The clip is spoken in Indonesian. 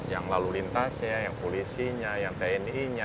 yang lalu lintasnya yang polisinya yang tni nya